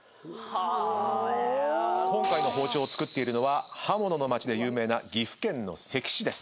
今回の包丁を作っているのは刃物の町で有名な岐阜県の関市です。